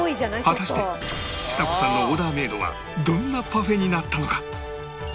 果たしてちさ子さんのオーダーメイドはどんなパフェになったのか？